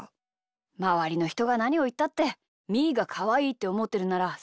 まわりのひとがなにをいったってみーがかわいいっておもってるならそれでいいんだよ。